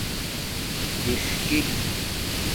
دِݽکی